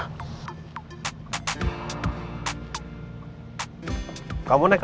aku mau ke kantor